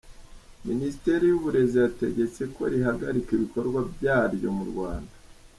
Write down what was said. Ministeri y'uburezi yategetse ko rihagarika ibikorwa byaryo mu Rwanda .